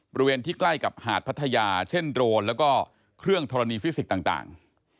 บริเวณที่ใกล้กับหาดพัทยาเช่นโรนแล้วก็เครื่องธรณีฟิสิกส์ต่าง